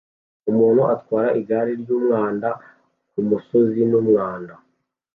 Umuntu atwara igare ryumwanda kumusozi wumwanda